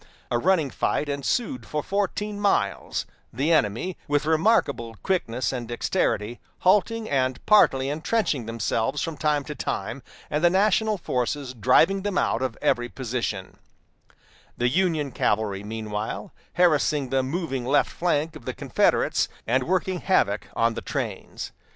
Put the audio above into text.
A running fight ensued for fourteen miles, the enemy, with remarkable quickness and dexterity, halting and partly intrenching themselves from time to time, and the national forces driving them out of every position; the Union cavalry, meanwhile, harassing the moving left flank of the Confederates, and working havoc on the trains.